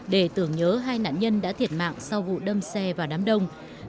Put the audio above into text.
để tưởng nhớ hai nạn nhân đã thiệt mạng sau vụ đâm xe vào đám đông